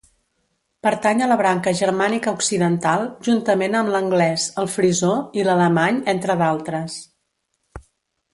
Pertany a la branca germànica occidental, juntament amb l'anglès, el frisó i l'alemany entre d'altres.